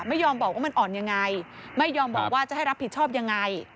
ไม่ยอมบอกว่ามันอ่อนยังไงไม่ยอมบอกว่าจะให้รับผิดชอบยังไง